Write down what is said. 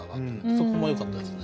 そこもよかったですね。